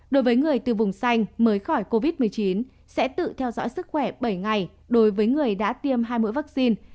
đối với người từ vùng xanh mới khỏi covid một mươi chín sẽ tự theo dõi sức khỏe bảy ngày đối với người đã tiêm hai mũi vaccine